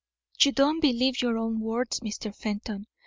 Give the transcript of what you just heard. "You don't believe your own words, Mr. Fenton.